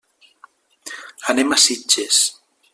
Anem a Sitges.